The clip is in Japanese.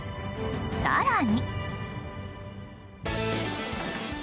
更に。